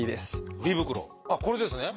あっこれですね。